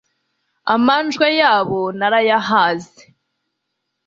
amanjwe yabo narayahaze